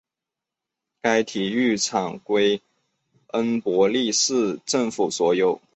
该体育场归恩波利市政府所有。